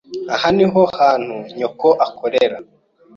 Aha niho hantu nyoko akorera?